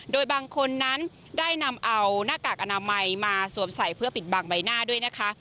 โดยบางคนนั้นได้นำเอาหน้ากากอนามัยมาสวมใส่เพื่อปิดบังใบหน้าด้วยนะคะ